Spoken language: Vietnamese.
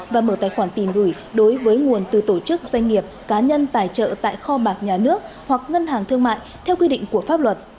và mở tài khoản tiền gửi đối với nguồn từ tổ chức doanh nghiệp cá nhân tài trợ tại kho bạc nhà nước hoặc ngân hàng thương mại theo quy định của pháp luật